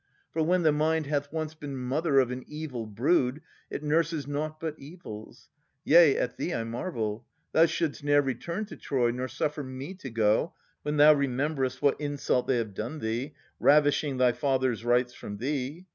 For when the mind Hath once been mother of an evil brood. It nurses nought but evils. Yea, at thee I marvel. Thou should'st ne'er return to Troy, Nor suffer me to go, when thou remember'st What insult they have done thee, ravishing Thy father's rights from thee.